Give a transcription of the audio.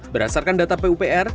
berdasarkan data pupr